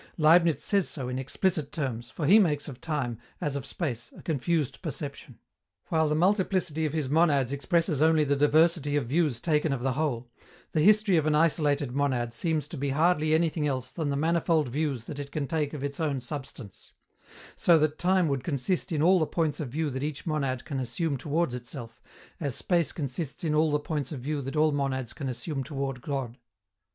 Leibniz says so in explicit terms, for he makes of time, as of space, a confused perception. While the multiplicity of his monads expresses only the diversity of views taken of the whole, the history of an isolated monad seems to be hardly anything else than the manifold views that it can take of its own substance: so that time would consist in all the points of view that each monad can assume towards itself, as space consists in all the points of view that all monads can assume towards God.